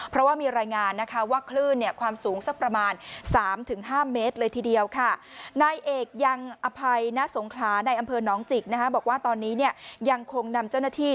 เพราะว่ามีรายงานนะคะว่าคลื่นเนี่ยความสูงสักประมาณ๓๕เมตรเลยทีเดียวค่ะ